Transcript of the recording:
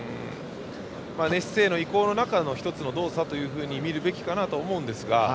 寝姿勢への移行の中の１つの動作と見るべきだと思いますが。